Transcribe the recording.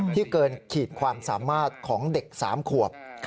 เกินขีดความสามารถของเด็ก๓ขวบ